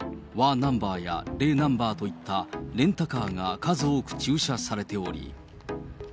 ナンバーやれナンバーといった、レンタカーが数多く駐車されており。